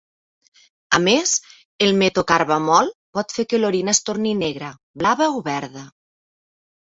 A més, el metocarbamol pot fer que l'orina es torni negra, blava o verda.